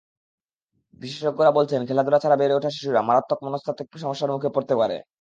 বিশেষজ্ঞরা বলছেন, খেলাধুলা ছাড়া বেড়ে ওঠা শিশুরা মারাত্মক মনস্তাত্ত্বিক সমস্যার মুখে পড়তে পারে।